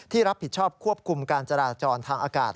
รับผิดชอบควบคุมการจราจรทางอากาศ